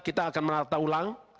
kita akan menata ulang